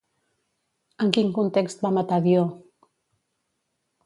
En quin context va matar Dió?